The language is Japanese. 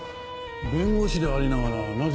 弁護士でありながらなぜ？